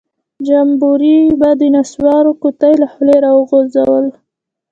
جمبوري به د نسوارو قطۍ له خولۍ راوغورځوله.